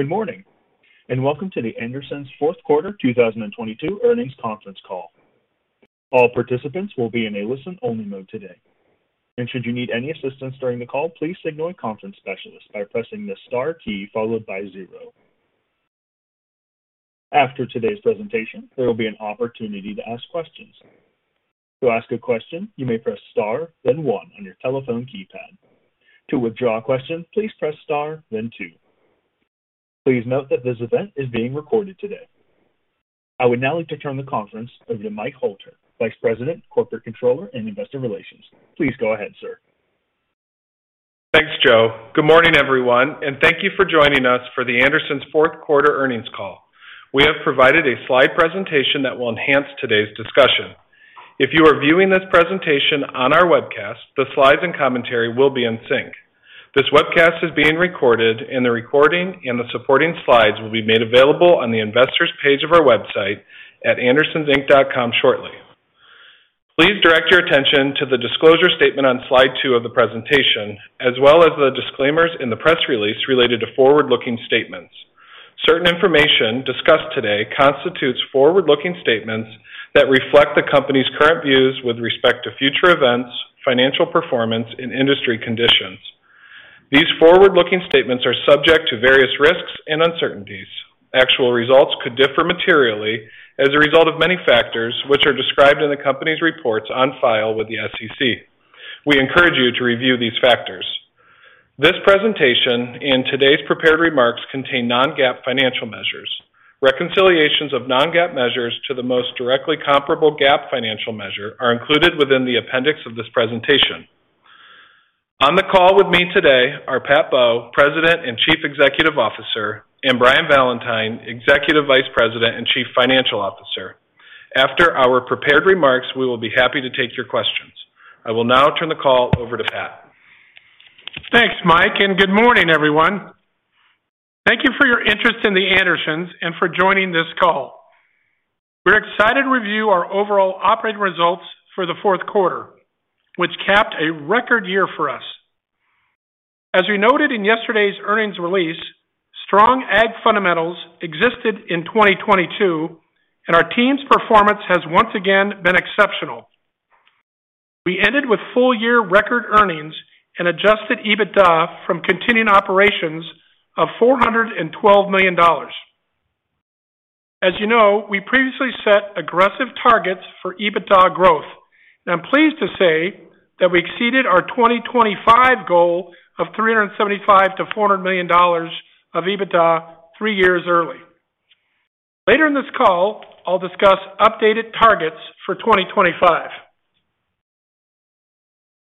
Good morning, and welcome to The Andersons' fourth quarter 2022 earnings conference call. All participants will be in a listen-only mode today. Should you need any assistance during the call, please signal a conference specialist by pressing the star key followed by zero. After today's presentation, there will be an opportunity to ask questions. To ask a question, you may press star, then one on your telephone keypad. To withdraw a question, please press star then two. Please note that this event is being recorded today. I would now like to turn the conference over to Mike Hoeltker, Vice President, Corporate Controller, and Investor Relations. Please go ahead, sir. Thanks, Joe. Good morning, everyone, and thank you for joining us for The Andersons' fourth quarter earnings call. We have provided a slide presentation that will enhance today's discussion. If you are viewing this presentation on our webcast, the slides and commentary will be in sync. This webcast is being recorded, and the recording and the supporting slides will be made available on the investors page of our website at andersonsinc.com shortly. Please direct your attention to the disclosure statement on slide two of the presentation, as well as the disclaimers in the press release related to forward-looking statements. Certain information discussed today constitutes forward-looking statements that reflect the company's current views with respect to future events, financial performance, and industry conditions. These forward-looking statements are subject to various risks and uncertainties. Actual results could differ materially as a result of many factors which are described in the company's reports on file with the SEC. We encourage you to review these factors. This presentation and today's prepared remarks contain non-GAAP financial measures. Reconciliations of non-GAAP measures to the most directly comparable GAAP financial measure are included within the appendix of this presentation. On the call with me today are Pat Bowe, President and Chief Executive Officer, and Brian Valentine, Executive Vice President and Chief Financial Officer. After our prepared remarks, we will be happy to take your questions. I will now turn the call over to Pat. Thanks, Mike, and good morning, everyone. Thank you for your interest in The Andersons and for joining this call. We're excited to review our overall operating results for the fourth quarter, which capped a record year for us. As we noted in yesterday's earnings release, strong ag fundamentals existed in 2022, and our team's performance has once again been exceptional. We ended with full-year record earnings and adjusted EBITDA from continuing operations of $412 million. As you know, we previously set aggressive targets for EBITDA growth. I'm pleased to say that we exceeded our 2025 goal of $375 million-$400 million of EBITDA three years early. Later in this call, I'll discuss updated targets for 2025.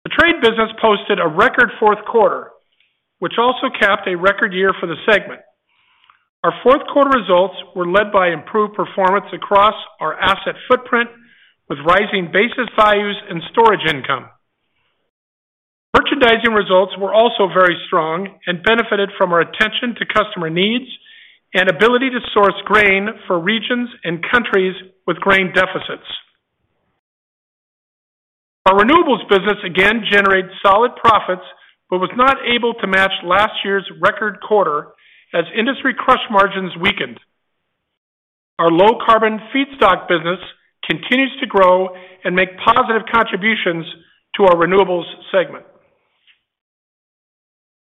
The trade business posted a record fourth quarter, which also capped a record year for the segment. Our fourth quarter results were led by improved performance across our asset footprint with rising basis values and storage income. Merchandising results were also very strong and benefited from our attention to customer needs and ability to source grain for regions and countries with grain deficits. Our renewables business again generated solid profits but was not able to match last year's record quarter as industry crush margins weakened. Our low carbon feedstock business continues to grow and make positive contributions to our renewables segment.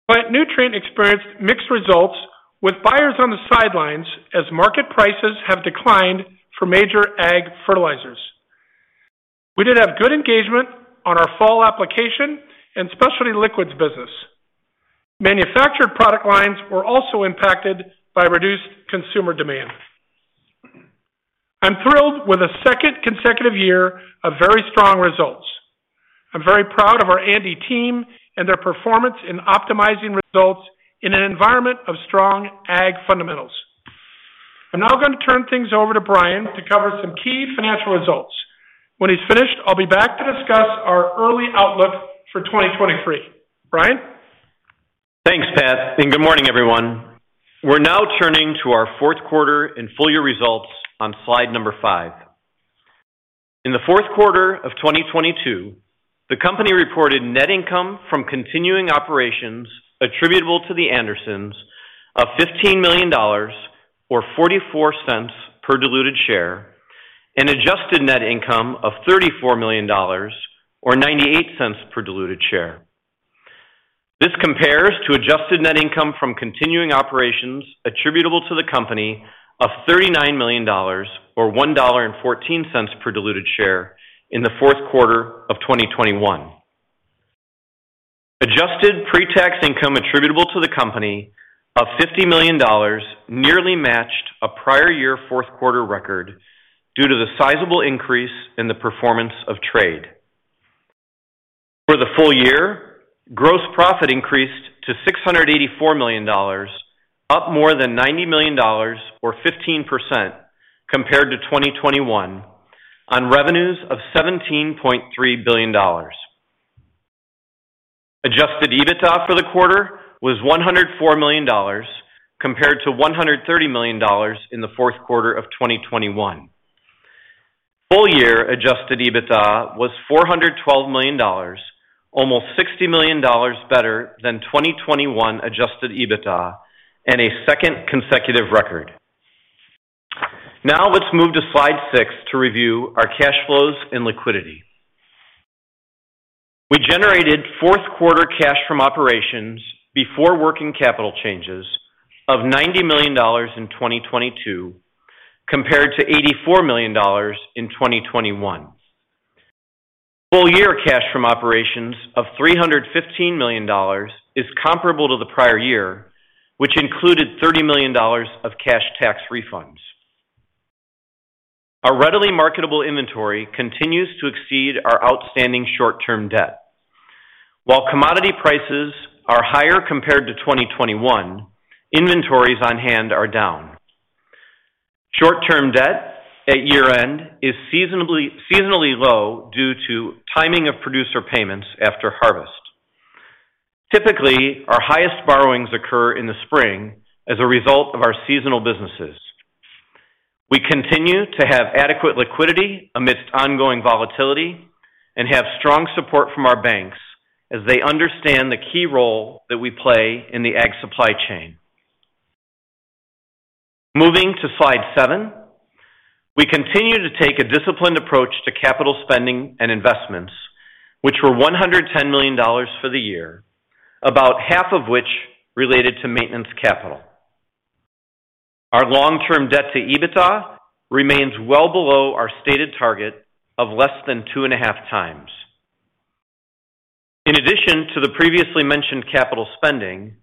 Plant Nutrient experienced mixed results with buyers on the sidelines as market prices have declined for major ag fertilizers. We did have good engagement on our fall application and specialty liquids business. Manufactured product lines were also impacted by reduced consumer demand. I'm thrilled with a second consecutive year of very strong results. I'm very proud of our ANDE team and their performance in optimizing results in an environment of strong ag fundamentals. I'm now going to turn things over to Brian to cover some key financial results. When he's finished, I'll be back to discuss our early outlook for 2023. Brian? Thanks, Pat, and good morning, everyone. We're now turning to our fourth quarter and full year results on slide number five. In the fourth quarter of 2022, the company reported net income from continuing operations attributable to The Andersons of $15 million or $0.44 per diluted share, and adjusted net income of $34 million or $0.98 per diluted share. This compares to adjusted net income from continuing operations attributable to the company of $39 million or $1.14 per diluted share in the fourth quarter of 2021. Adjusted pre-tax income attributable to the company of $50 million nearly matched a prior year fourth quarter record due to the sizable increase in the performance of trade. For the full year, gross profit increased to $684 million, up more than $90 million or 15% compared to 2021 on revenues of $17.3 billion. Adjusted EBITDA for the quarter was $104 million compared to $130 million in the fourth quarter of 2021. Year adjusted EBITDA was $412 million, almost $60 million better than 2021 adjusted EBITDA and a second consecutive record. Let's move to slide six to review our cash flows and liquidity. We generated fourth quarter cash from operations before working capital changes of $90 million in 2022 compared to $84 million in 2021. Full year cash from operations of $315 million is comparable to the prior year, which included $30 million of cash tax refunds. Our readily marketable inventory continues to exceed our outstanding short-term debt. Commodity prices are higher compared to 2021, inventories on hand are down. Short-term debt at year-end is seasonally low due to timing of producer payments after harvest. Typically, our highest borrowings occur in the spring as a result of our seasonal businesses. We continue to have adequate liquidity amidst ongoing volatility and have strong support from our banks as they understand the key role that we play in the ag supply chain. Moving to slide 7. We continue to take a disciplined approach to capital spending and investments, which were $110 million for the year, about half of which related to maintenance capital. Our long-term debt to EBITDA remains well below our stated target of less than 2.5x. In addition to the previously mentioned capital spending,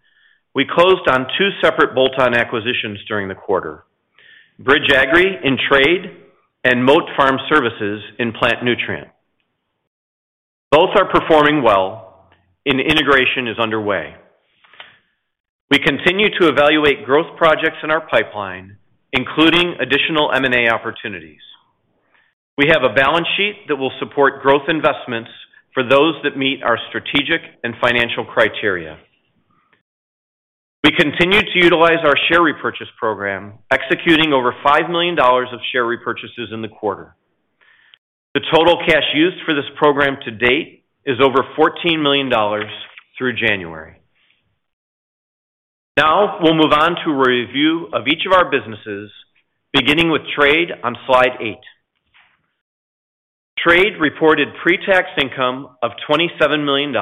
we closed on two separate bolt-on acquisitions during the quarter. Bridge Agri in Trade and Mote Farm Services in Plant Nutrient. Both are performing well and integration is underway. We continue to evaluate growth projects in our pipeline, including additional M&A opportunities. We have a balance sheet that will support growth investments for those that meet our strategic and financial criteria. We continue to utilize our share repurchase program, executing over $5 million of share repurchases in the quarter. The total cash used for this program to date is over $14 million through January. We'll move on to a review of each of our businesses, beginning with Trade on Slide 8. Trade reported pre-tax income of $27 million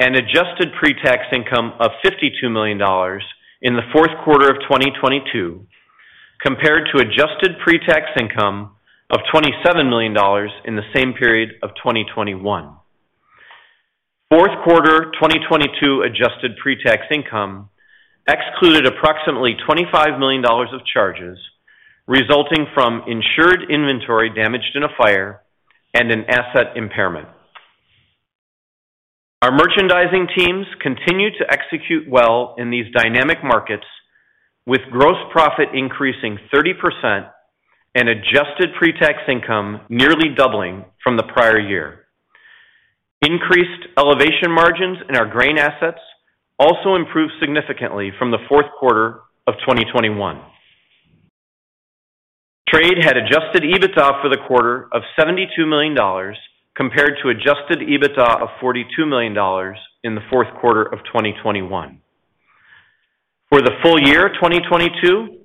and adjusted pre-tax income of $52 million in the fourth quarter of 2022 compared to adjusted pre-tax income of $27 million in the same period of 2021. Fourth quarter 2022 adjusted pre-tax income excluded approximately $25 million of charges resulting from insured inventory damaged in a fire and an asset impairment. Our merchandising teams continue to execute well in these dynamic markets, with gross profit increasing 30% and adjusted pre-tax income nearly doubling from the prior year. Increased elevation margins in our grain assets also improved significantly from the fourth quarter of 2021. Trade had adjusted EBITDA for the quarter of $72 million compared to adjusted EBITDA of $42 million in the fourth quarter of 2021. For the full year of 2022,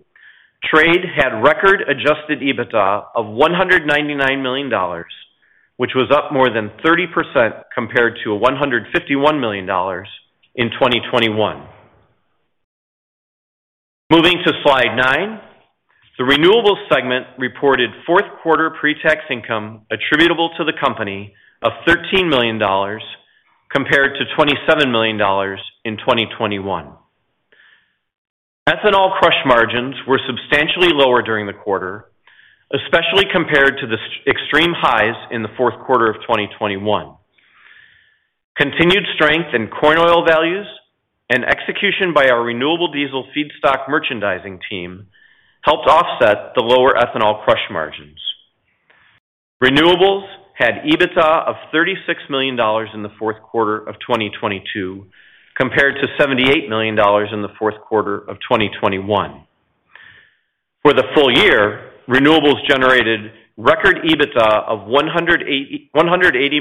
Trade had record adjusted EBITDA of $199 million, which was up more than 30% compared to $151 million in 2021. Moving to slide 9. The Renewables segment reported fourth quarter pre-tax income attributable to the company of $13 million compared to $27 million in 2021. Ethanol crush margins were substantially lower during the quarter, especially compared to the extreme highs in the fourth quarter of 2021. Continued strength in corn oil values and execution by our renewable diesel feedstock merchandising team helped offset the lower ethanol crush margins. Renewables had EBITDA of $36 million in the fourth quarter of 2022 compared to $78 million in the fourth quarter of 2021. For the full year, Renewables generated record EBITDA of $180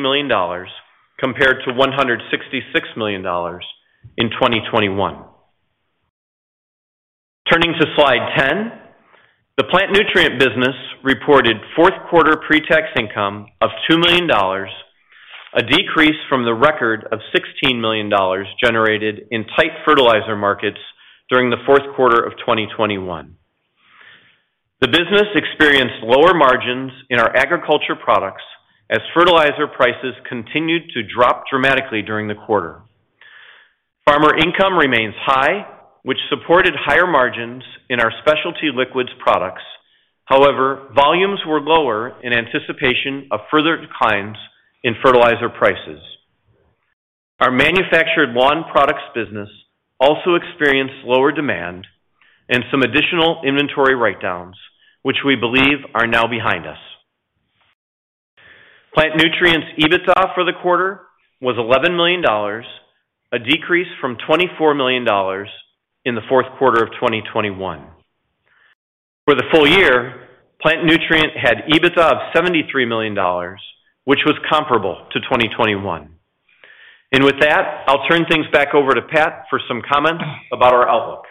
million compared to $166 million in 2021. Turning to slide 10. The Plant Nutrient business reported fourth quarter pre-tax income of $2 million, a decrease from the record of $16 million generated in tight fertilizer markets during the fourth quarter of 2021. The business experienced lower margins in our agriculture products as fertilizer prices continued to drop dramatically during the quarter. Farmer income remains high, which supported higher margins in our specialty liquids products. Volumes were lower in anticipation of further declines in fertilizer prices. Our manufactured lawn products business also experienced lower demand and some additional inventory write-downs, which we believe are now behind us. Plant Nutrient EBITDA for the quarter was $11 million, a decrease from $24 million in the fourth quarter of 2021. For the full year, plant nutrient had EBITDA of $73 million, which was comparable to 2021. With that, I'll turn things back over to Pat for some comments about our outlook.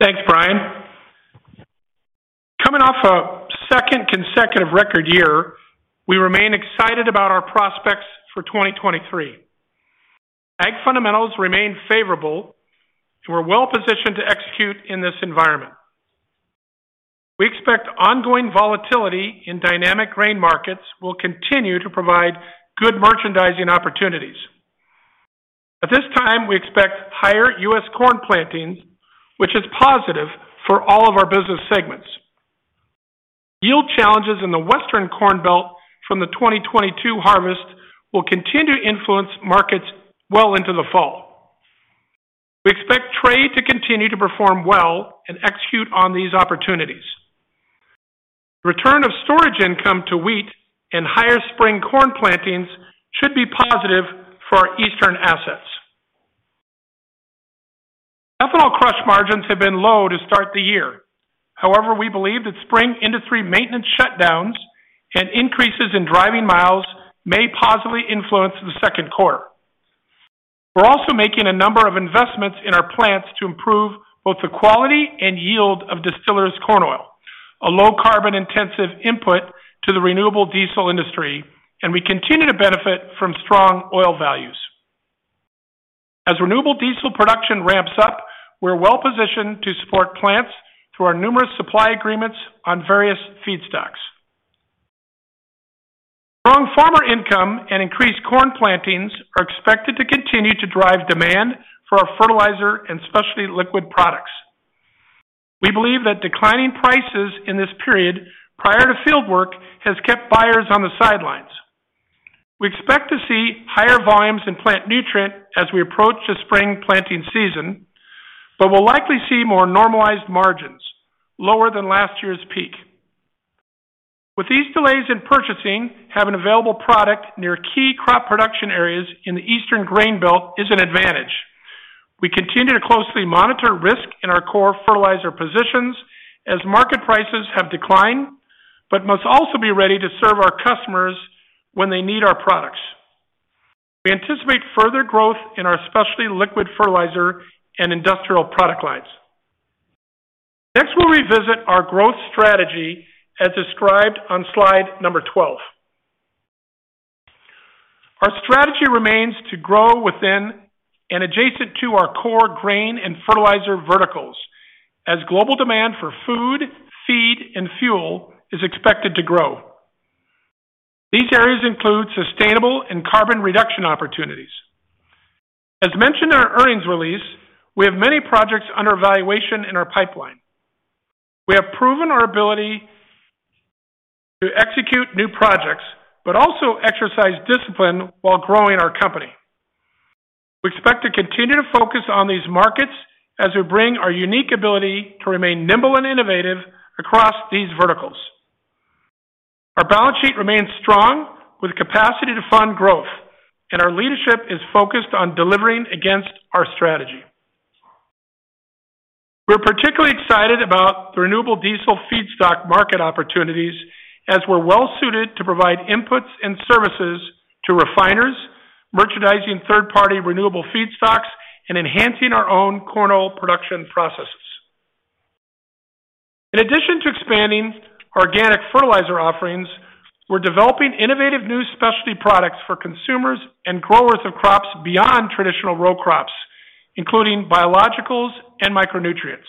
Thanks, Brian. Coming off a second consecutive record year, we remain excited about our prospects for 2023. Ag fundamentals remain favorable. We're well-positioned to execute in this environment. We expect ongoing volatility in dynamic grain markets will continue to provide good merchandising opportunities. At this time, we expect higher U.S. corn plantings, which is positive for all of our business segments. Yield challenges in the Western Corn Belt from the 2022 harvest will continue to influence markets well into the fall. We expect trade to continue to perform well and execute on these opportunities. Return of storage income to wheat and higher spring corn plantings should be positive for our eastern assets. Ethanol crush margins have been low to start the year. However, we believe that spring industry maintenance shutdowns and increases in driving miles may positively influence the second quarter. We're also making a number of investments in our plants to improve both the quality and yield of distillers corn oil, a low carbon intensive input to the renewable diesel industry, and we continue to benefit from strong oil values. As renewable diesel production ramps up, we're well-positioned to support plants through our numerous supply agreements on various feedstocks. Strong farmer income and increased corn plantings are expected to continue to drive demand for our fertilizer and specialty liquid products. We believe that declining prices in this period prior to fieldwork has kept buyers on the sidelines. We expect to see higher volumes in plant nutrient as we approach the spring planting season, but we'll likely see more normalized margins lower than last year's peak. With these delays in purchasing, having available product near key crop production areas in the Eastern Grain Belt is an advantage. We continue to closely monitor risk in our core fertilizer positions as market prices have declined, but must also be ready to serve our customers when they need our products. We anticipate further growth in our specialty liquid fertilizer and industrial product lines. Next, we'll revisit our growth strategy as described on slide number 12. Our strategy remains to grow within and adjacent to our core grain and fertilizer verticals as global demand for food, feed, and fuel is expected to grow. These areas include sustainable and carbon reduction opportunities. As mentioned in our earnings release, we have many projects under evaluation in our pipeline. We have proven our ability to execute new projects but also exercise discipline while growing our company. We expect to continue to focus on these markets as we bring our unique ability to remain nimble and innovative across these verticals. Our balance sheet remains strong with capacity to fund growth, and our leadership is focused on delivering against our strategy. We're particularly excited about the renewable diesel feedstock market opportunities as we're well-suited to provide inputs and services to refiners, merchandising third-party renewable feedstocks, and enhancing our own corn oil production processes. In addition to expanding organic fertilizer offerings, we're developing innovative new specialty products for consumers and growers of crops beyond traditional row crops, including biologicals and micronutrients.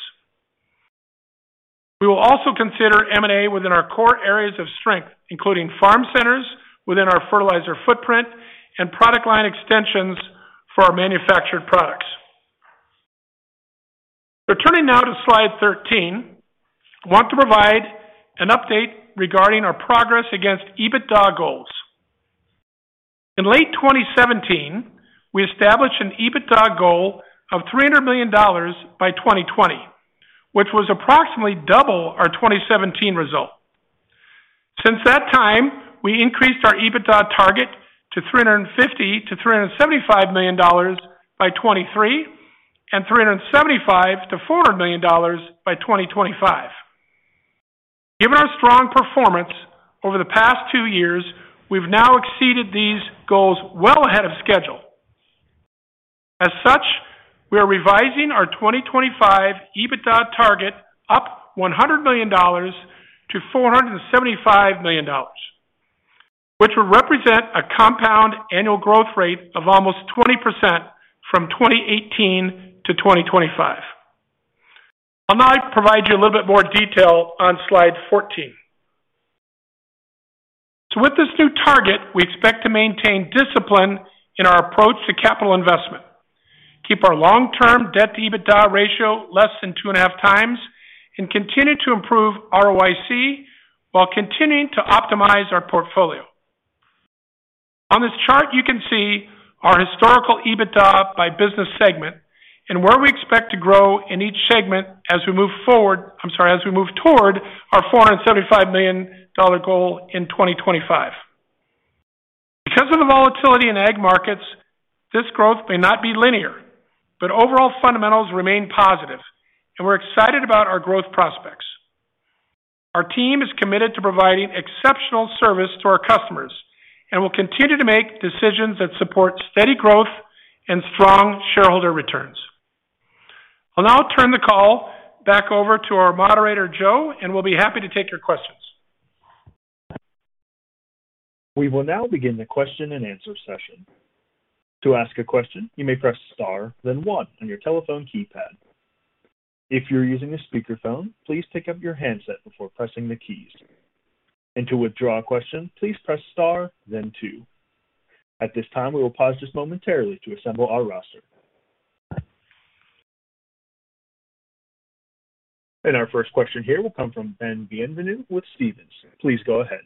We will also consider M&A within our core areas of strength, including farm centers within our fertilizer footprint and product line extensions for our manufactured products. We're turning now to slide 13. I want to provide an update regarding our progress against EBITDA goals. In late 2017, we established an EBITDA goal of $300 million by 2020, which was approximately double our 2017 result. Since that time, we increased our EBITDA target to $350 million–$375 million by 2023 and $375 million–$400 million by 2025. Given our strong performance over the past two years, we've now exceeded these goals well ahead of schedule. Such, we are revising our 2025 EBITDA target up $100 million–$475 million, which will represent a compound annual growth rate of almost 20% from 2018–2025. I'll now provide you a little bit more detail on slide 14. With this new target, we expect to maintain discipline in our approach to capital investment, keep our long-term debt-to-EBITDA ratio less than 2.5x, and continue to improve ROIC while continuing to optimize our portfolio. On this chart, you can see our historical EBITDA by business segment and where we expect to grow in each segment as we move toward our $475 million goal in 2025. Because of the volatility in ag markets, this growth may not be linear, but overall fundamentals remain positive, and we're excited about our growth prospects. Our team is committed to providing exceptional service to our customers, and we'll continue to make decisions that support steady growth and strong shareholder returns. I'll now turn the call back over to our moderator, Joe, and we'll be happy to take your questions. We will now begin the question-and-answer session. To ask a question, you may press Star, then one on your telephone keypad. If you're using a speakerphone, please pick up your handset before pressing the keys. To withdraw a question, please press Star, then two. At this time, we will pause just momentarily to assemble our roster. Our first question here will come from Ben Bienvenu with Stephens. Please go ahead.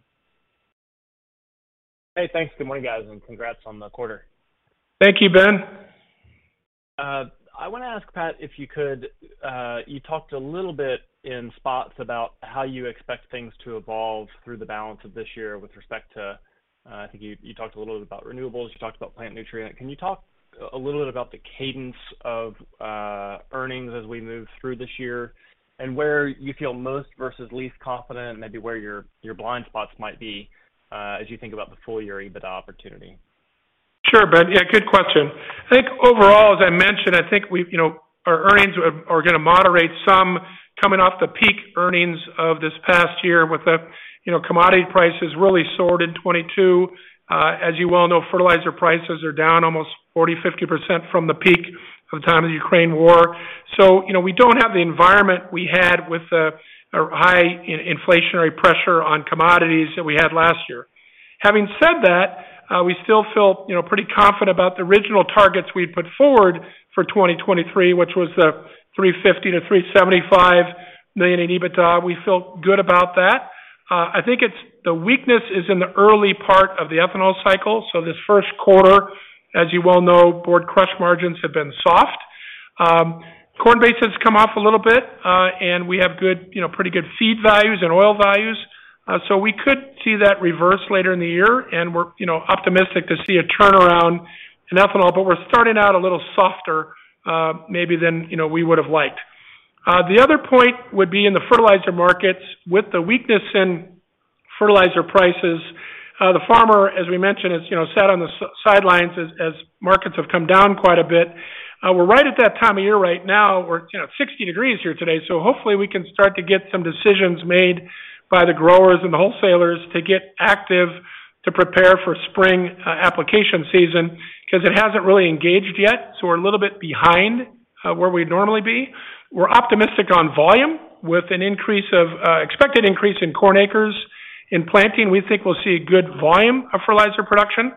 Hey, thanks. Good morning, guys, and congrats on the quarter. Thank you, Ben. I want to ask Pat, if you could, you talked a little bit in spots about how you expect things to evolve through the balance of this year with respect to, I think you talked a little bit about renewables, you talked about plant nutrients. Can you talk a little bit about the cadence of earnings as we move through this year and where you feel most versus least confident, maybe where your blind spots might be, as you think about the full year EBITDA opportunity? Sure, Ben. Yeah, good question. I think overall, as I mentioned, I think we've, you know, our earnings are going to moderate some coming off the peak earnings of this past year with the, you know, commodity prices really soared in 2022. As you well know, fertilizer prices are down almost 40%–50% from the peak from the time of the Ukraine war. You know, we don't have the environment we had with the high inflationary pressure on commodities that we had last year. Having said that, we still feel, you know, pretty confident about the original targets we put forward for 2023, which was the $350 million–$375 million in EBITDA. We feel good about that. I think it's the weakness is in the early part of the ethanol cycle. This first quarter, as you well know, corn crush margins have been soft. Corn basis has come off a little bit, and we have good, you know, pretty good feed values and oil values. We could see that reverse later in the year, and we're, you know, optimistic to see a turnaround in ethanol, but we're starting out a little softer, maybe than, you know, we would have liked. The other point would be in the fertilizer markets. With the weakness in fertilizer prices, the farmer, as we mentioned, is, you know, sat on the sidelines as markets have come down quite a bit. We're right at that time of year right now. We're, you know, 60 degrees here today. Hopefully we can start to get some decisions made by the growers and the wholesalers to get active to prepare for spring application season because it hasn't really engaged yet. We're a little bit behind, where we'd normally be. We're optimistic on volume. With an increase of, expected increase in corn acres in planting, we think we'll see good volume of fertilizer production.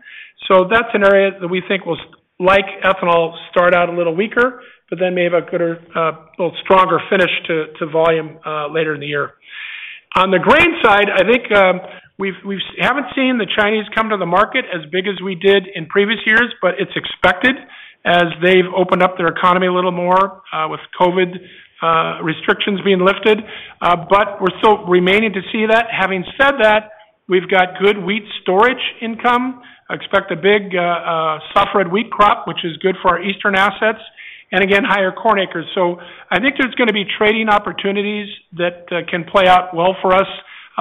That's an area that we think will, like ethanol, start out a little weaker, but then may have a gooder, little stronger finish to volume, later in the year. On the grain side, I think, we've haven't seen the Chinese come to the market as big as we did in previous years. It's expected as they've opened up their economy a little more, with COVID restrictions being lifted. We're still remaining to see that. Having said that, we've got good wheat storage income. I expect a big soft red wheat crop, which is good for our eastern assets, and again, higher corn acres. I think there's going to be trading opportunities that can play out well for us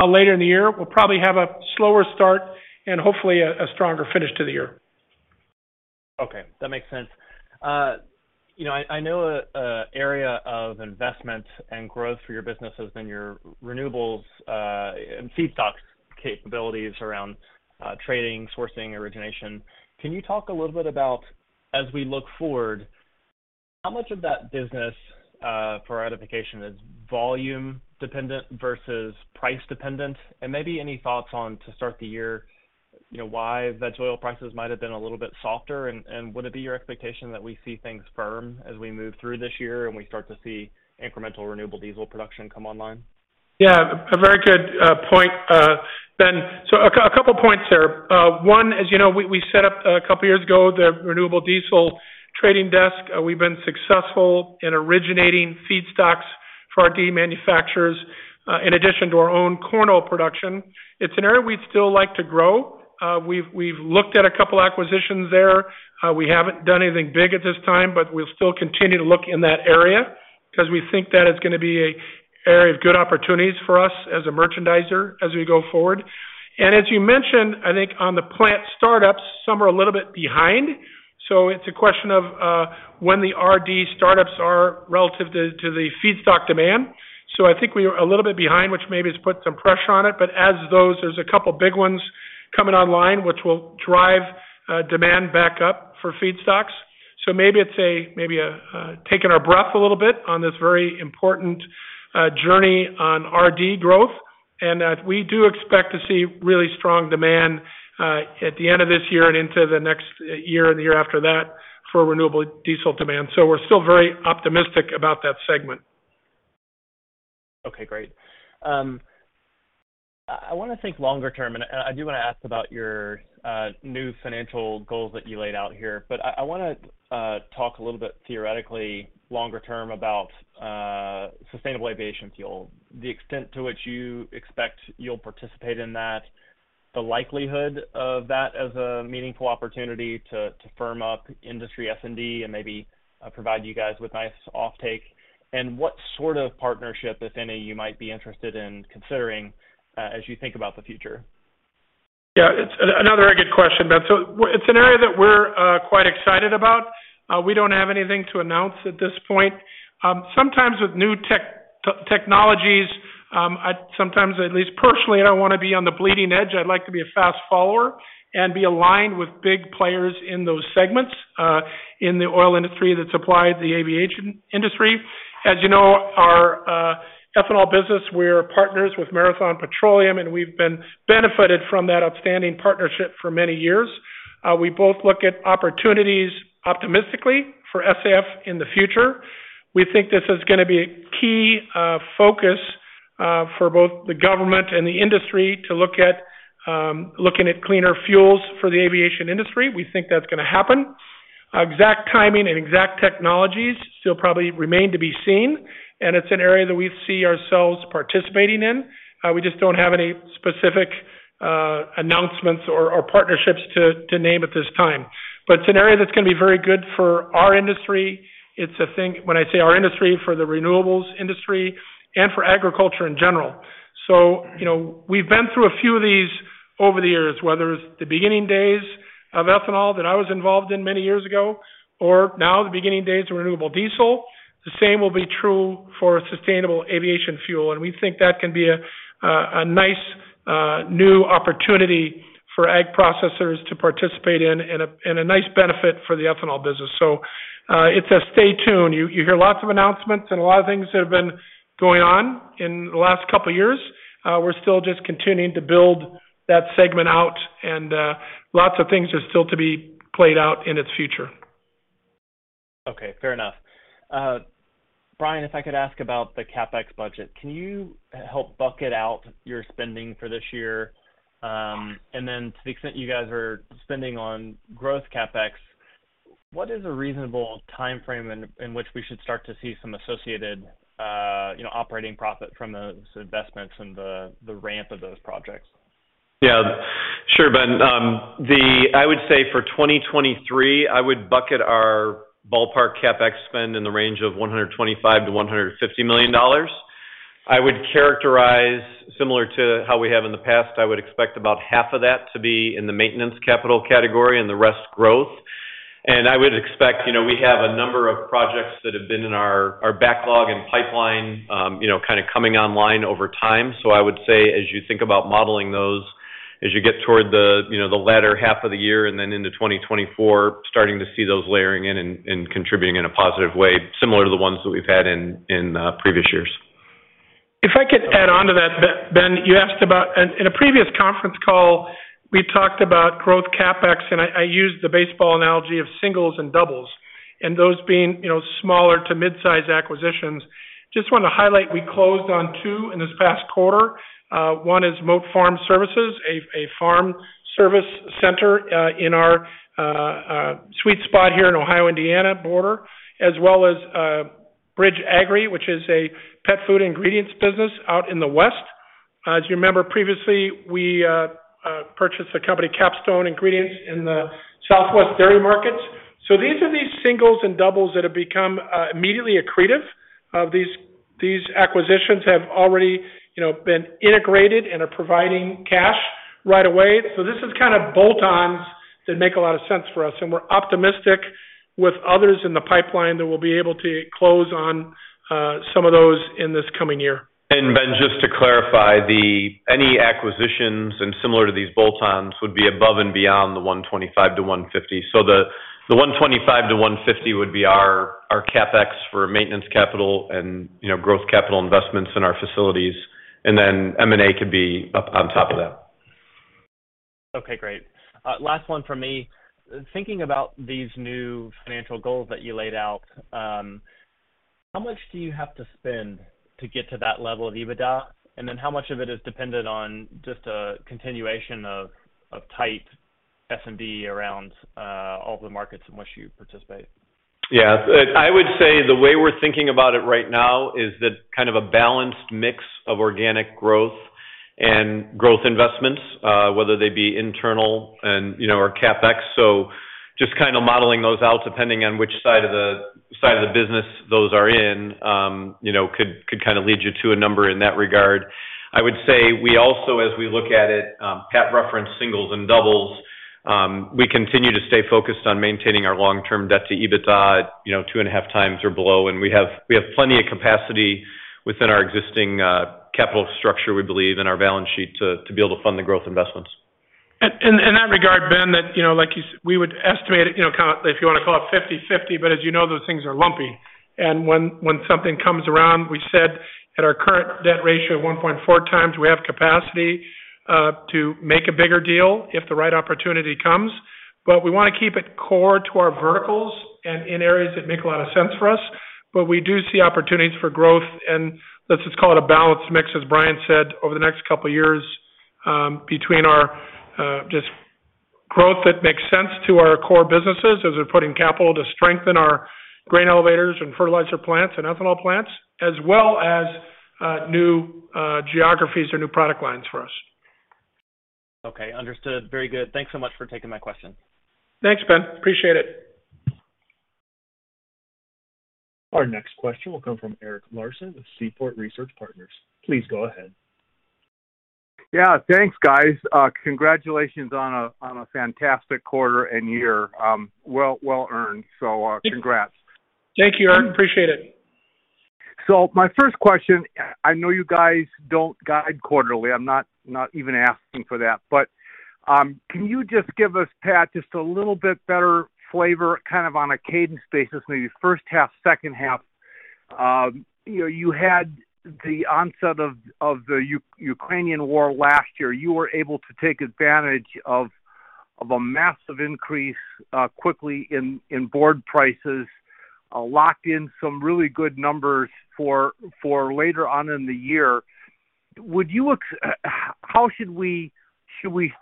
later in the year. We'll probably have a slower start and hopefully a stronger finish to the year. Okay, that makes sense. You know, I know an area of investment and growth for your business has been your renewables and feedstocks capabilities around trading, sourcing, origination. Can you talk a little bit about, as we look forward, how much of that business for identification is volume dependent versus price dependent? Maybe any thoughts on to start the year, you know, why veg oil prices might have been a little bit softer and would it be your expectation that we see things firm as we move through this year and we start to see incremental renewable diesel production come online? Yeah, a very good point, Ben. A couple points there. One, as you know, we set up a couple of years ago the renewable diesel trading desk. We've been successful in originating feedstocks for our RD manufacturers, in addition to our own corn oil production. It's an area we'd still like to grow. We've looked at a couple acquisitions there. We haven't done anything big at this time, but we'll still continue to look in that area because we think that it's going to be an area of good opportunities for us as a merchandiser as we go forward. As you mentioned, I think on the plant startups, some are a little bit behind. It's a question of when the RD startups are relative to the feedstock demand. I think we are a little bit behind, which maybe has put some pressure on it. As those, there's a couple of big ones coming online, which will drive demand back up for feedstocks. Maybe it's a, maybe a taking our breath a little bit on this very important journey on RD growth, and that we do expect to see really strong demand at the end of this year and into the next year and the year after that for renewable diesel demand. We're still very optimistic about that segment. Okay, great. I wanna think longer term, and I do wanna ask about your new financial goals that you laid out here. I wanna talk a little bit theoretically longer term about sustainable aviation fuel, the extent to which you expect you'll participate in that, the likelihood of that as a meaningful opportunity to firm up industry S&D and maybe provide you guys with nice offtake, and what sort of partnership, if any, you might be interested in considering as you think about the future. Yeah, it's another good question, Ben. It's an area that we're quite excited about. We don't have anything to announce at this point. Sometimes with new technologies, sometimes, at least personally, I don't wanna be on the bleeding edge. I'd like to be a fast follower and be aligned with big players in those segments in the oil industry that supply the aviation industry. As you know, our ethanol business, we're partners with Marathon Petroleum, and we've been benefited from that outstanding partnership for many years. We both look at opportunities optimistically for SAF in the future. We think this is going to be a key focus for both the government and the industry to look at, looking at cleaner fuels for the aviation industry. We think that's going to happen. Exact timing and exact technologies still probably remain to be seen. It's an area that we see ourselves participating in. We just don't have any specific announcements or partnerships to name at this time. It's an area that's going to be very good for our industry. It's a thing when I say our industry, for the renewables industry and for agriculture in general. You know, we've been through a few of these over the years, whether it's the beginning days of ethanol that I was involved in many years ago or now the beginning days of renewable diesel. The same will be true for sustainable aviation fuel, and we think that can be a nice new opportunity for ag processors to participate in, and a nice benefit for the ethanol business. It's a stay tuned. You hear lots of announcements and a lot of things that have been going on in the last couple years. We're still just continuing to build that segment out and lots of things are still to be played out in its future. Okay. Fair enough. Brian, if I could ask about the CapEx budget. Can you help bucket out your spending for this year? Then to the extent you guys are spending on growth CapEx, what is a reasonable timeframe in which we should start to see some associated, you know, operating profit from those investments and the ramp of those projects? Yeah. Sure, Ben. I would say for 2023, I would bucket our ballpark CapEx spend in the range of $125 million-$150 million. I would characterize similar to how we have in the past. I would expect about half of that to be in the maintenance capital category and the rest growth. I would expect, you know, we have a number of projects that have been in our backlog and pipeline, you know, kind of coming online over time. I would say, as you think about modeling those, as you get toward the, you know, the latter half of the year and then into 2024, starting to see those layering in and contributing in a positive way, similar to the ones that we've had in previous years. If I could add on to that, Ben, you asked about. In a previous conference call, we talked about growth CapEx, and I used the baseball analogy of singles and doubles, and those being, you know, smaller to mid-size acquisitions. Just wanna highlight, we closed on 2 in this past quarter. One is Mote Farm Service, a farm service center, in our sweet spot here in Ohio, Indiana border, as well asBridge Agri, which is a pet food ingredients business out in the West. As you remember previously, we purchased a company, Capstone Commodities, in the Southwest dairy markets. These are these singles and doubles that have become immediately accretive. These acquisitions have already, you know, been integrated and are providing cash right away. This is kind of bolt-ons that make a lot of sense for us, and we're optimistic with others in the pipeline that we'll be able to close on some of those in this coming year. Ben, just to clarify, any acquisitions and similar to these bolt-ons would be above and beyond the $125 million–$150 million. The $125 million–$150 million would be our CapEx for maintenance capital and, you know, growth capital investments in our facilities. Then M&A could be up on top of that. Okay, great. Last one from me. Thinking about these new financial goals that you laid out, how much do you have to spend to get to that level of EBITDA? How much of it is dependent on just a continuation of tight S&D around all the markets in which you participate? I would say the way we're thinking about it right now is that kind of a balanced mix of organic growth and growth investments, whether they be internal and, you know, or CapEx. Just kind of modeling those out, depending on which side of the business those are in, you know, could kind of lead you to a number in that regard. I would say we also, as we look at it, Pat referenced singles and doubles, we continue to stay focused on maintaining our long-term debt to EBITDA at, you know, 2.5 times or below. We have plenty of capacity within our existing capital structure, we believe, in our balance sheet to be able to fund the growth investments. In that regard, Ben, that, you know, like we would estimate it, you know, kind of if you wanna call it 50/50, but as you know, those things are lumpy. When something comes around, we said at our current debt ratio of 1.4x, we have capacity to make a bigger deal if the right opportunity comes. We want to keep it core to our verticals and in areas that make a lot of sense for us. We do see opportunities for growth, and let's just call it a balanced mix, as Brian said, over the next couple of years, between our just growth that makes sense to our core businesses as we're putting capital to strengthen our grain elevators and fertilizer plants and ethanol plants, as well as new geographies or new product lines for us. Okay, understood. Very good. Thanks so much for taking my question. Thanks, Ben. Appreciate it. Our next question will come from Eric Larson with Seaport Research Partners. Please go ahead. Yeah, thanks, guys. Congratulations on a fantastic quarter and year. Well earned. Congrats. Thank you, Eric. Appreciate it. My first question, I know you guys don't guide quarterly. I'm not even asking for that, but can you just give us, Pat, just a little bit better flavor, kind of on a cadence basis, maybe first half, second half. You know, you had the onset of the Ukrainian war last year. You were able to take advantage of a massive increase quickly in board prices, locked in some really good numbers for later on in the year. How should we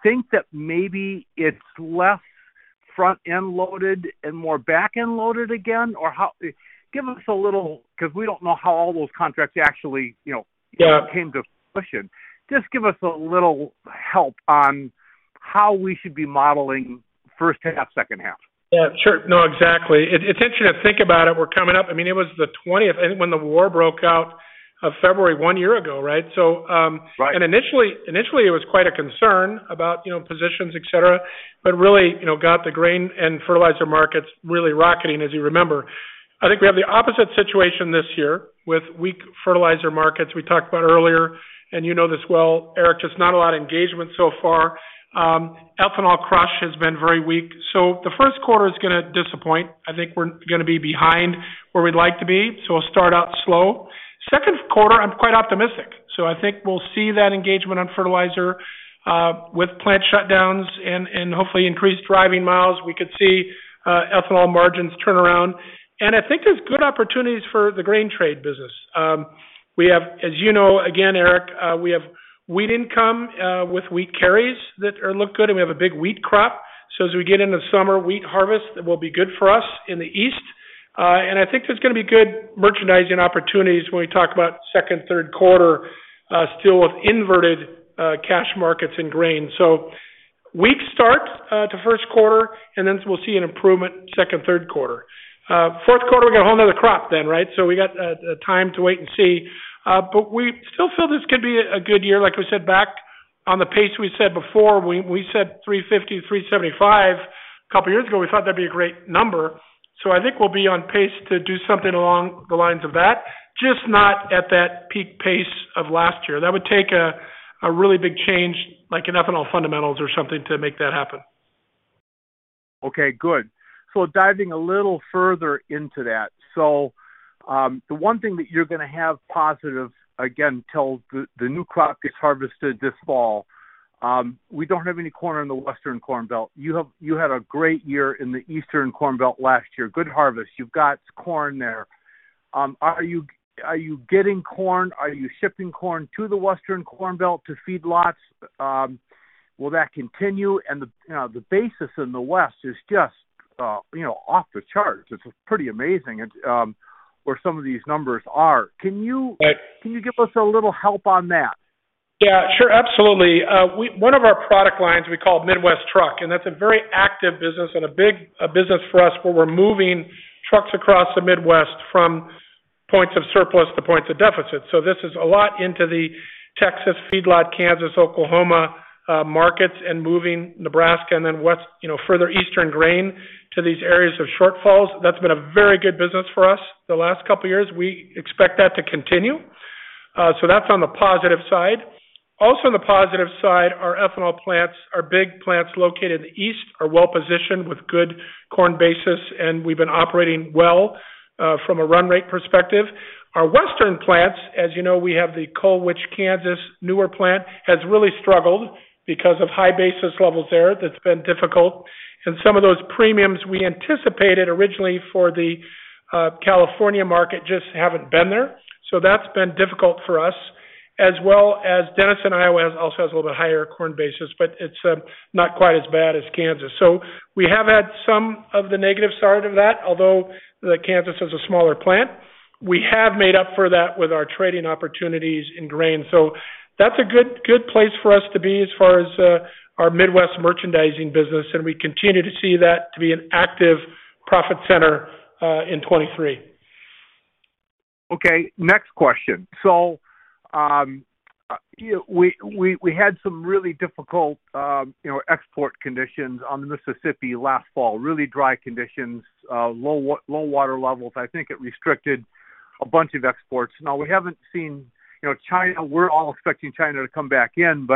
think that maybe it's less front-end loaded and more back-end loaded again? Give us a little. Because we don't know how all those contracts actually, you know... Yeah. -came to fruition. Give us a little help on how we should be modeling first half, second half. Yeah, sure. Exactly. It's interesting to think about it. We're coming up I mean, it was the 20th when the war broke out of February 1 year ago, right? Right. Initially, it was quite a concern about, you know, positions, et cetera, but really, you know, got the grain and fertilizer markets really rocketing, as you remember. I think we have the opposite situation this year with weak fertilizer markets we talked about earlier, and you know this well, Eric, just not a lot of engagement so far. Ethanol crush has been very weak. The first quarter is going to disappoint. I think we're going to be behind where we'd like to be, so we'll start out slow. Second quarter, I'm quite optimistic. I think we'll see that engagement on fertilizer, with plant shutdowns and hopefully increased driving miles. We could see ethanol margins turn around. I think there's good opportunities for the grain trade business. As you know, again, Eric, we have wheat income, with wheat carries that look good, and we have a big wheat crop. As we get into summer wheat harvest, that will be good for us in the east. I think there's going to be good merchandising opportunities when we talk about second, third quarter, still with inverted cash markets in grain. Weak start to first quarter, and then we'll see an improvement second, third quarter. Fourth quarter, we got a whole nother crop then, right? We got a time to wait and see. We still feel this could be a good year. Like we said, back on the pace we said before, we said $350–$375 a couple of years ago, we thought that'd be a great number. I think we'll be on pace to do something along the lines of that, just not at that peak pace of last year. That would take a really big change like in ethanol fundamentals or something to make that happen. Okay, good. Diving a little further into that. The one thing that you're going to have positive again till the new crop gets harvested this fall, we don't have any corn in the Western Corn Belt. You had a great year in the Eastern Corn Belt last year. Good harvest. You've got corn there. Are you getting corn? Are you shipping corn to the Western Corn Belt to feedlots? Will that continue? The, you know, the basis in the west is just, you know, off the charts. It's pretty amazing, where some of these numbers are. Right. Can you give us a little help on that? Yeah, sure. Absolutely. One of our product lines we call Midwest Truck, that's a very active business and a big business for us, where we're moving trucks across the Midwest from points of surplus to points of deficit. This is a lot into the Texas feedlot, Kansas, Oklahoma, markets and moving Nebraska and then west, you know, further eastern grain to these areas of shortfalls. That's been a very good business for us the last couple of years. We expect that to continue. That's on the positive side. Also on the positive side, our ethanol plants, our big plants located in the east are well-positioned with good corn basis, and we've been operating well from a run rate perspective. Our western plants, as you know, we have the Colwich, Kansas newer plant, has really struggled because of high basis levels there. That's been difficult. Some of those premiums we anticipated originally for the California market just haven't been there. That's been difficult for us, as well as Denison, Iowa also has a little bit higher corn basis, but it's not quite as bad as Kansas. We have had some of the negative side of that, although the Kansas is a smaller plant. We have made up for that with our trading opportunities in grain. That's a good place for us to be as far as our Midwest merchandising business, and we continue to see that to be an active profit center in '23. Okay, next question. We had some really difficult, you know, export conditions on the Mississippi last fall. Really dry conditions, low water levels. I think it restricted a bunch of exports. We haven't seen. You know, China, we're all expecting China to come back in.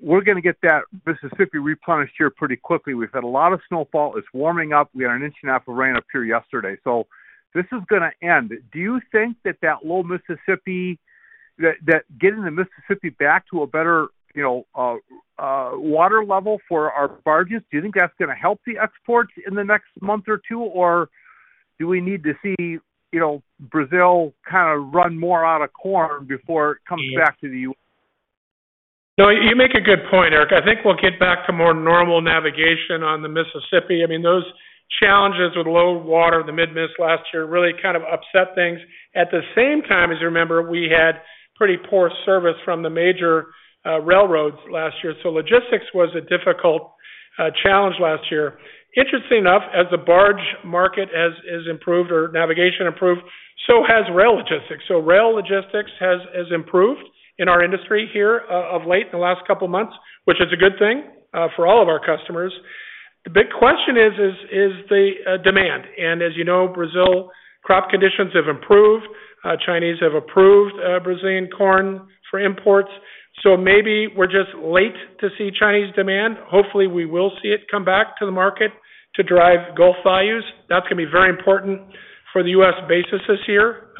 We're going to get that Mississippi replenished here pretty quickly. We've had a lot of snowfall. It's warming up. We had an inch and a half of rain up here yesterday. This is going to end. Do you think that getting the Mississippi back to a better water level for our barges, do you think that's going to help the exports in the next month or two? Do we need to see, you know, Brazil kind of run more out of corn before it comes back to the U.S.? You make a good point, Eric. I think we'll get back to more normal navigation on the Mississippi. I mean, those challenges with low water in the mid-Miss last year really kind of upset things. As you remember, we had pretty poor service from the major railroads last year. Logistics was a difficult challenge last year. Interesting enough, as the barge market has improved or navigation improved, so has rail logistics. Rail logistics has improved in our industry here of late in the last couple of months, which is a good thing for all of our customers. The big question is the demand. As you know, Brazil crop conditions have improved. Chinese have approved Brazilian corn for imports. Maybe we're just late to see Chinese demand. Hopefully, we will see it come back to the market to drive Gulf values. That's going to be very important for the U.S. basis this year.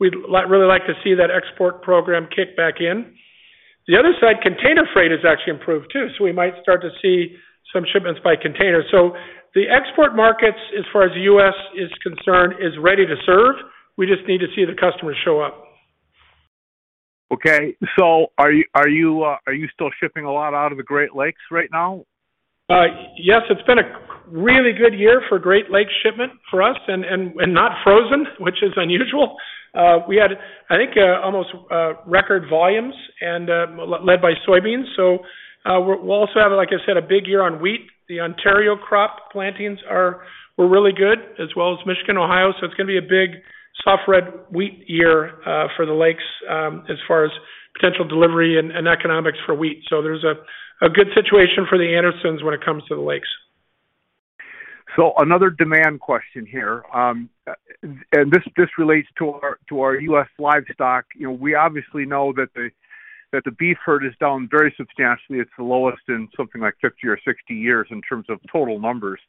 We'd really like to see that export program kick back in. The other side, container freight has actually improved, too, so we might start to see some shipments by container. The export markets, as far as the U.S. is concerned, is ready to serve. We just need to see the customers show up. Okay. Are you still shipping a lot out of the Great Lakes right now? Yes. It's been a really good year for Great Lakes shipment for us and not frozen, which is unusual. We had, I think, almost record volumes and led by soybeans. We'll also have, like I said, a big year on wheat. The Ontario crop plantings were really good as well as Michigan, Ohio. It's going to be a big soft red wheat year for the lakes as far as potential delivery and economics for wheat. There's a good situation for The Andersons when it comes to the lakes. Another demand question here. This relates to our U.S. livestock. You know, we obviously know that the beef herd is down very substantially. It's the lowest in something like 50 or 60 years in terms of total numbers.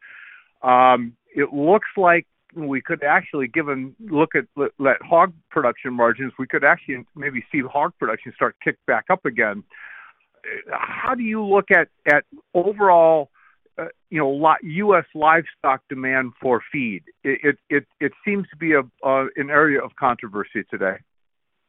It looks like we could actually give a look at hog production margins. We could actually maybe see the hog production start to kick back up again. How do you look at overall, you know, U.S. livestock demand for feed? It seems to be an area of controversy today.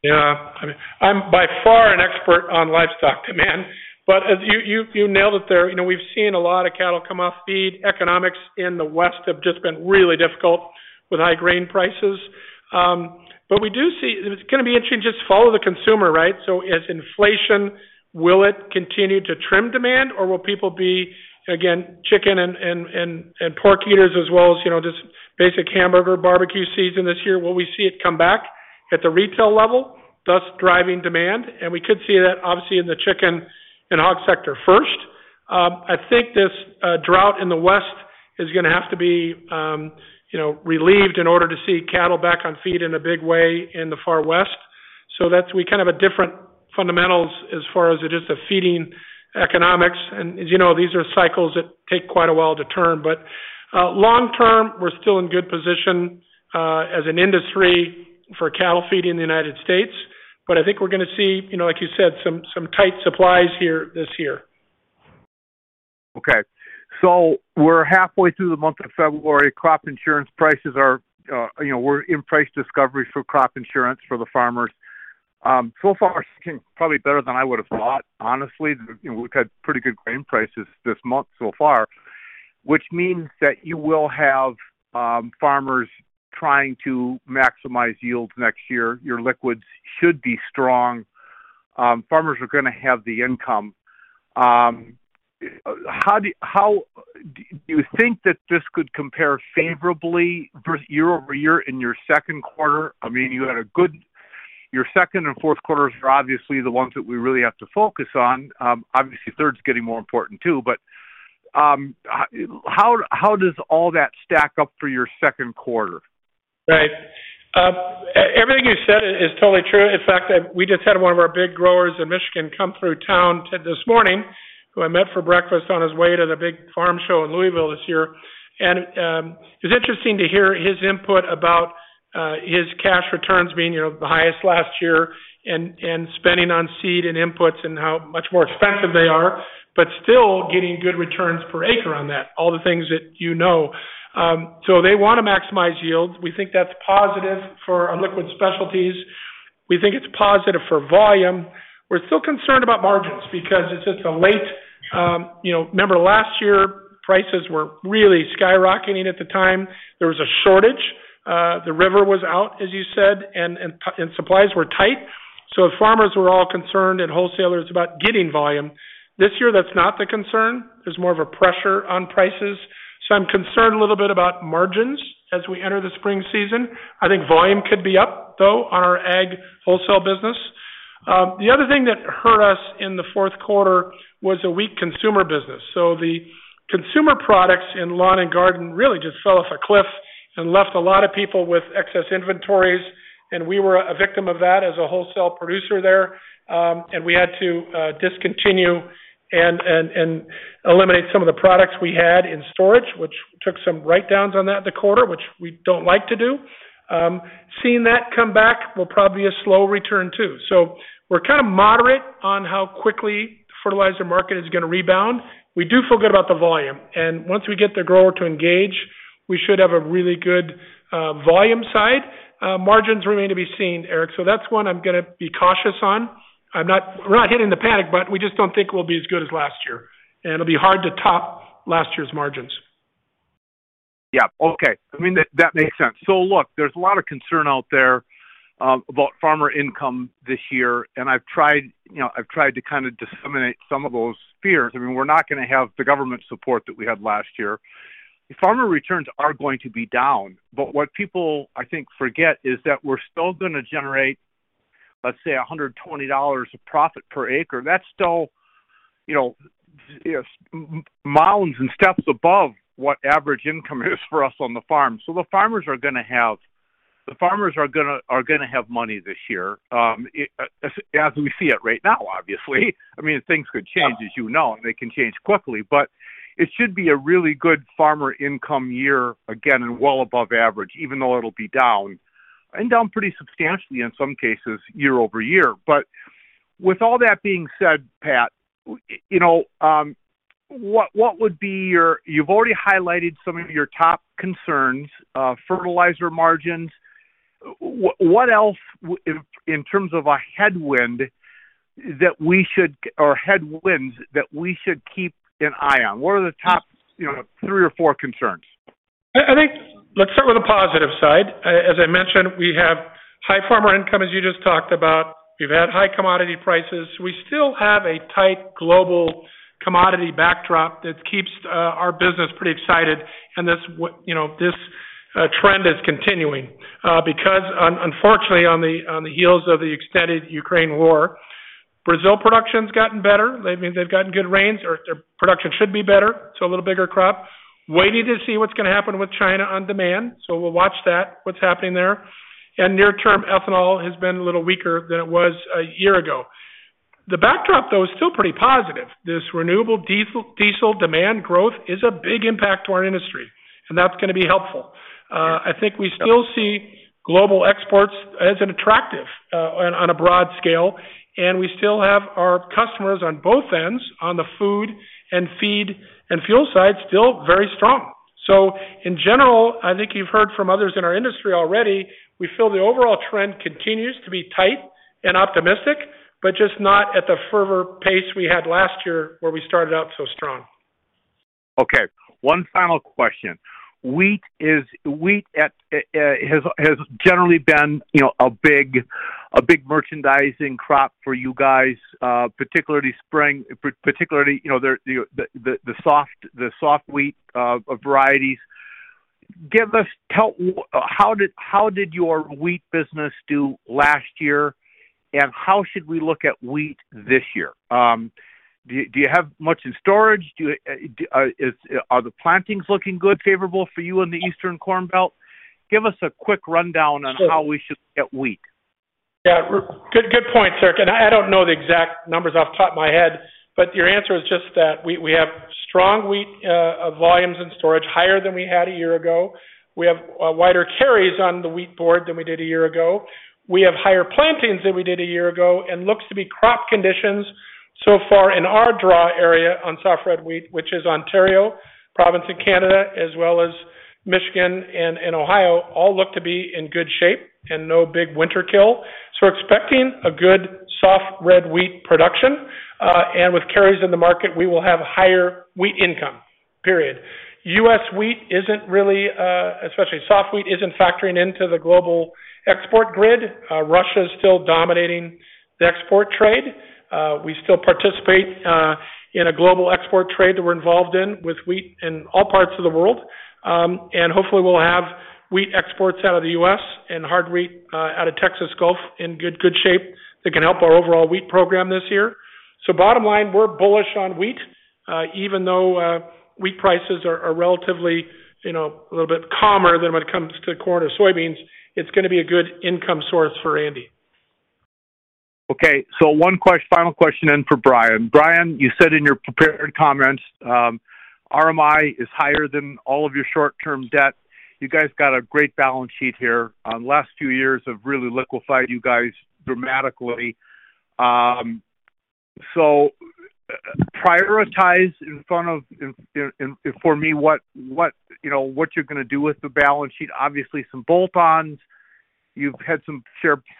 I mean, I'm by far an expert on livestock demand, but as you nailed it there. You know, we've seen a lot of cattle come off feed. Economics in the West have just been really difficult with high grain prices. We do see it's going to be interesting, just follow the consumer, right? As inflation, will it continue to trim demand or will people be, again, chicken and pork eaters as well as, you know, just basic hamburger barbecue season this year? Will we see it come back at the retail level, thus driving demand? We could see that obviously in the chicken and hog sector first. I think this drought in the West is going to have to be, you know, relieved in order to see cattle back on feed in a big way in the far West. That's we kind of a different fundamentals as far as it is the feeding economics. As you know, these are cycles that take quite a while to turn. Long term, we're still in good position, as an industry for cattle feed in the United States. I think we're going to see, you know, like you said, some tight supplies here this year. Okay. We're halfway through the month of February. Crop insurance prices are, you know, we're in price discovery for crop insurance for the farmers. So far, it's been probably better than I would have thought, honestly. You know, we've had pretty good grain prices this month so far, which means that you will have farmers trying to maximize yields next year. Your liquids should be strong. Farmers are going to have the income. How do you think that this could compare favorably versus year-over-year in your second quarter? I mean, your second and fourth quarters are obviously the ones that we really have to focus on. Obviously, third is getting more important too. How, how does all that stack up for your second quarter? Right. Everything you said is totally true. In fact, we just had one of our big growers in Michigan come through town this morning, who I met for breakfast on his way to the big farm show in Louisville this year. It was interesting to hear his input about his cash returns being, you know, the highest last year and spending on seed and inputs and how much more expensive they are, but still getting good returns per acre on that, all the things that you know. They want to maximize yields. We think that's positive for our liquid specialties. We think it's positive for volume. We're still concerned about margins because it's just a late, you know. Remember last year, prices were really skyrocketing at the time. There was a shortage. The river was out, as you said, and supplies were tight. Farmers were all concerned and wholesalers about getting volume. This year, that's not the concern. There's more of a pressure on prices. I'm concerned a little bit about margins as we enter the spring season. I think volume could be up, though, on our ag wholesale business. The other thing that hurt us in the fourth quarter was a weak consumer business. The consumer products in lawn and garden really just fell off a cliff and left a lot of people with excess inventories. We were a victim of that as a wholesale producer there. We had to discontinue and eliminate some of the products we had in storage, which took some write-downs on that the quarter, which we don't like to do. Seeing that come back will probably be a slow return too. We're kind of moderate on how quickly the fertilizer market is going to rebound. We do feel good about the volume, and once we get the grower to engage, we should have a really good volume side. Margins remain to be seen, Eric. That's one I'm going to be cautious on. We're not hitting the panic button. We just don't think we'll be as good as last year, and it'll be hard to top last year's margins. Yeah. Okay. I mean, that makes sense. Look, there's a lot of concern out there about farmer income this year, and I've tried, you know, I've tried to kind of disseminate some of those fears. I mean, we're not going to have the government support that we had last year. Farmer returns are going to be down. What people, I think, forget is that we're still going to generate, let's say, $120 of profit per acre. That's still, you know, mounds and steps above what average income is for us on the farm. The farmers are going to have money this year, as we see it right now, obviously. I mean, things could change, as you know, and they can change quickly. It should be a really good farmer income year, again, and well above average, even though it'll be down, and down pretty substantially in some cases year-over-year. With all that being said, Pat, you know, you've already highlighted some of your top concerns, fertilizer margins. What else in terms of a headwind that we should, or headwinds that we should keep an eye on? What are the top, you know, three or four concerns? I think let's start with the positive side. As I mentioned, we have high farmer income, as you just talked about. We've had high commodity prices. We still have a tight global commodity backdrop that keeps our business pretty excited. This, you know, this trend is continuing because unfortunately, on the heels of the extended Ukraine war, Brazil production's gotten better. They've gotten good rains or their production should be better, so a little bigger crop. Waiting to see what's going to happen with China on demand. We'll watch that, what's happening there. Near term, ethanol has been a little weaker than it was a year ago. The backdrop, though, is still pretty positive. This renewable diesel demand growth is a big impact to our industry, and that's going to be helpful. I think we still see global exports as an attractive, on a broad scale, and we still have our customers on both ends on the food and feed and fuel side, still very strong. In general, I think you've heard from others in our industry already, we feel the overall trend continues to be tight and optimistic, but just not at the fervor pace we had last year where we started out so strong. Okay, one final question. Wheat at has generally been, you know, a big merchandising crop for you guys, particularly, you know, the soft wheat varieties. Tell, how did your wheat business do last year, and how should we look at wheat this year? Do you have much in storage? Are the plantings looking good, favorable for you in the Eastern corn belt? Give us a quick rundown on how we should look at wheat. Yeah, good point, Eric. I don't know the exact numbers off the top of my head, but your answer is just that we have strong wheat volumes in storage, higher than we had a year ago. We have wider carries on the wheat board than we did a year ago. We have higher plantings than we did a year ago and looks to be crop conditions so far in our draw area on soft red wheat, which is Ontario, province of Canada, as well as Michigan and Ohio, all look to be in good shape and no big winter kill. We're expecting a good soft red wheat production. With carries in the market, we will have higher wheat income, period. U.S. wheat isn't really, especially soft wheat, isn't factoring into the global export grid. Russia is still dominating the export trade. We still participate in a global export trade that we're involved in with wheat in all parts of the world. Hopefully, we'll have wheat exports out of the U.S. and hard wheat out of Texas Gulf in good shape that can help our overall wheat program this year. Bottom line, we're bullish on wheat. Even though wheat prices are relatively, you know, a little bit calmer than when it comes to corn or soybeans, it's going to be a good income source for ANDE. Okay, one final question in for Brian. Brian, you said in your prepared comments, RMI is higher than all of your short-term debt. You guys got a great balance sheet here. Last few years have really liquified you guys dramatically. Prioritize for me, what, you know, what you're going to do with the balance sheet. Obviously, some bolt-ons. You've had some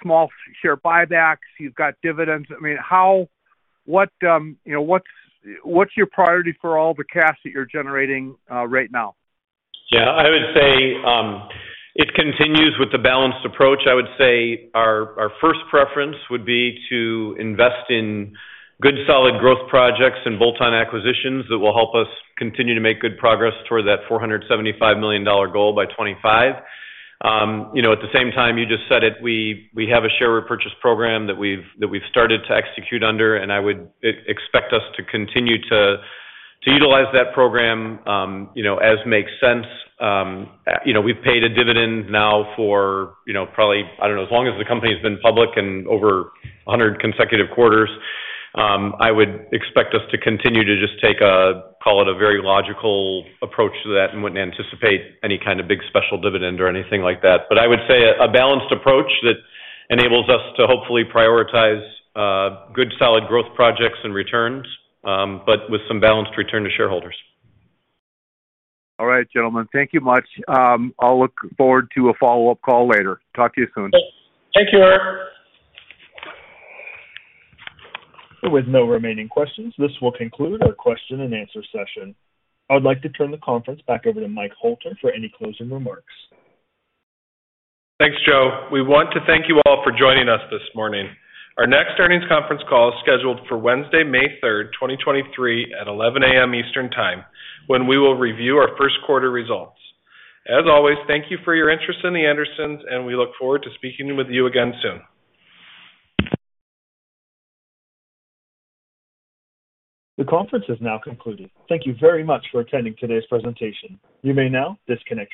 small share buybacks. You've got dividends. I mean, what, you know, what's your priority for all the cash that you're generating right now? I would say, it continues with the balanced approach. I would say our first preference would be to invest in good, solid growth projects and bolt-on acquisitions that will help us continue to make good progress toward that $475 million goal by 2025. You know, at the same time, you just said it, we have a share repurchase program that we've started to execute under, and I would expect us to continue to utilize that program, you know, as makes sense. You know, we've paid a dividend now for, you know, probably, I don't know, as long as the company's been public and over 100 consecutive quarters. I would expect us to continue to just take a very logical approach to that and wouldn't anticipate any kind of big special dividend or anything like that. I would say a balanced approach that enables us to hopefully prioritize, good, solid growth projects and returns, but with some balanced return to shareholders. All right, gentlemen. Thank you much. I'll look forward to a follow-up call later. Talk to you soon. Thank you, Eric. With no remaining questions, this will conclude our question and answer session. I would like to turn the conference back over to Mike Hoelter for any closing remarks. Thanks, Joe. We want to thank you all for joining us this morning. Our next earnings conference call is scheduled for Wednesday, May 3, 2023 at 11:00 a.m. Eastern Time, when we will review our first quarter results. As always, thank you for your interest in The Andersons. We look forward to speaking with you again soon. The conference is now concluded. Thank you very much for attending today's presentation. You may now disconnect.